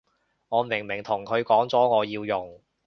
我明明同佢講咗我要用